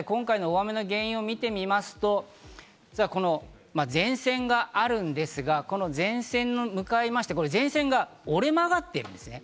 今回の大雨の原因を見てみますと前線があるんですが、この前線に向かいまして、前線が折れ曲がっているんですね。